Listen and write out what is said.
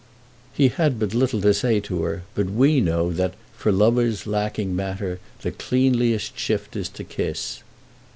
He had but little to say to her, but we know that for "lovers lacking matter, the cleanliest shift is to kiss."